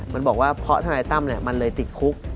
มันบอกว่าเพราะทนายตั้มมันเลยติดคุก